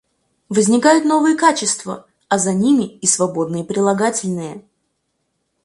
Возникают новые качества, а за ними и свободные прилагательные.